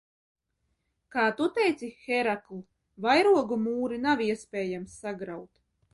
Kā tu teici, Hērakl, vairogu mūri nav iespējams sagraut!